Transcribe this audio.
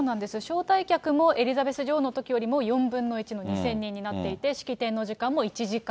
招待客もエリザベス女王のときよりも４分の１の２０００人になっていて、式典の時間も１時間。